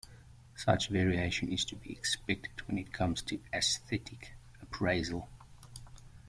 Such variation is to be expected when it comes to aesthetic appraisal.